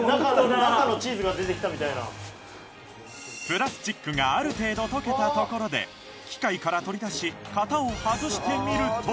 プラスチックがある程度溶けたところで機械から取り出し型を外してみると